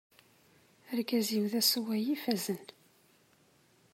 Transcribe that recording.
Argaz-iw d asewway ifazen.